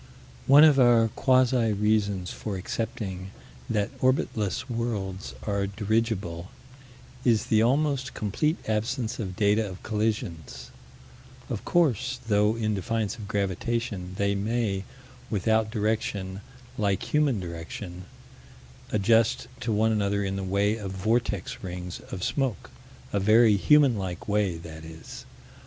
One of our quasi reasons for accepting that orbitless worlds are dirigible is the almost complete absence of data of collisions: of course, though in defiance of gravitation, they may, without direction like human direction, adjust to one another in the way of vortex rings of smoke a very human like way, that is.